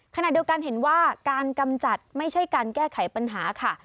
ขณะเดียวกันเห็นว่าการกำจัดไม่ใช่การแก้ไขปัญหาค่ะ